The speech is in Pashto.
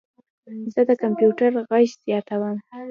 زه د کمپیوټر غږ زیاتوم.